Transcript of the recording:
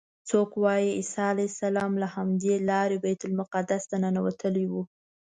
څوک وایي عیسی علیه السلام له همدې لارې بیت المقدس ته ننوتلی و.